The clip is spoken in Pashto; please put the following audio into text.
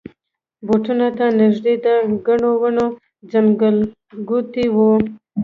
بوټو ته نږدې د ګڼو ونو ځنګلګوټی و.